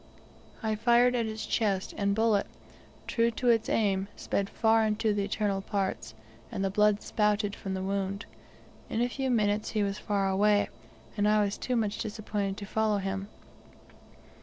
I fired at its chest, and bullet, true to its aim, sped far into the internal parts, and the blood spouted from the wound: in a few minutes he was far away, and I was too much disappointed to follow him.